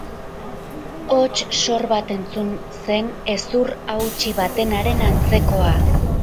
Hots sor bat entzun zen, hezur hautsi batenaren antzekoa.